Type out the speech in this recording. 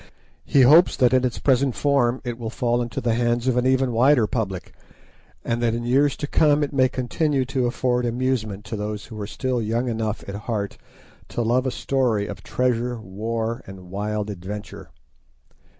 He hopes that in its present form it will fall into the hands of an even wider public, and that in years to come it may continue to afford amusement to those who are still young enough at heart to love a story of treasure, war, and wild adventure.